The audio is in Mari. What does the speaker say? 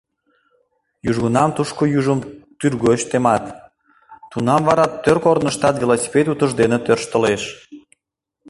Южгунам тушко южым тӱргоч темат, тунам вара тӧр корныштат велосипед утыждене тӧрштылеш.